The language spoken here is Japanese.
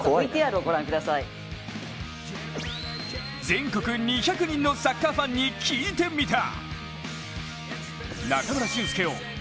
全国の２００人のサッカーファンに聞いてみた。